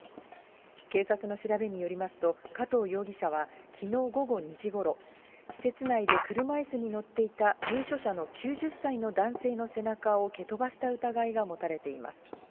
警察の調べによりますと、加藤容疑者はきのう午後２時ごろ、施設内で車いすに乗っていた入所者の９０歳の男性の背中を蹴飛ばした疑いが持たれています。